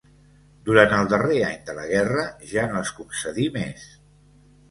Durant el darrer any de la guerra, ja no es concedí més.